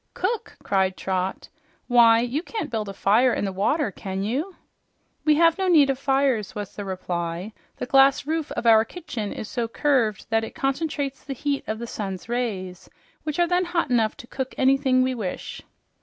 "Cook!" cried Trot. "Why, you can't build a fire in the water, can you?" "We have no need of fires," was the reply. "The glass roof of our kitchen is so curved that it concentrates the heat of the sun's rays, which are then hot enough to cook anything we wish."